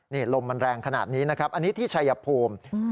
นี่ลมมันแรงขนาดนี้นะครับอันนี้ที่ชัยภูมิ